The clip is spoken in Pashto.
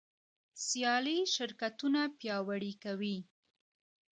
سیالي شرکتونه پیاوړي کوي.